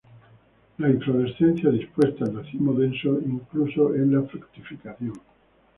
La inflorescencia dispuesta en racimo denso, incluso en la fructificación.